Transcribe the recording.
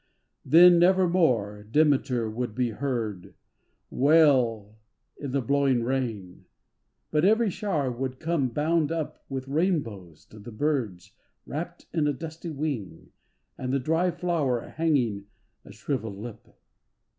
Then nevermore Demeter would be heard Wail in the blowing rain, but every shower Would come bound up with rainbows to the birds Wrapt in a dusty wing, and the dry flower Hanging a shrivelled lip.